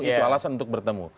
itu alasan untuk bertemu